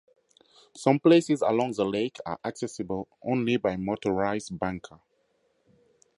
Some places along the lake are accessible only by motorized banca.